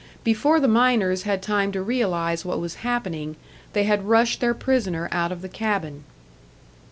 Before the miners had time to realise what was happening, they had rushed their prisoner out of the cabin.